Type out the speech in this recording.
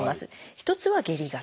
一つは「下痢型」。